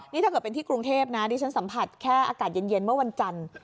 นี่ถ้าเกิดเป็นที่กรุงเทพนะดิฉันสัมผัสแค่อากาศเย็นเมื่อวันจันทร์